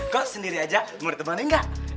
kalau sendiri aja mereka inget apaan